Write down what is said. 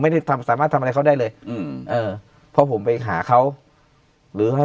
ไม่ได้ทำสามารถทำอะไรเขาได้เลยอืมเออเพราะผมไปหาเขาหรือเขา